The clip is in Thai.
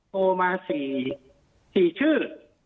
โทรมาสี่ชื่อ